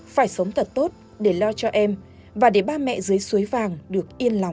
phải sống thật tốt để lo cho em và để ba mẹ dưới suối vàng được yên lòng